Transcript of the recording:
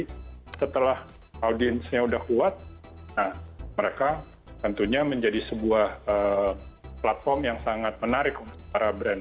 jadi setelah audiencenya sudah kuat mereka tentunya menjadi sebuah platform yang sangat menarik untuk para brand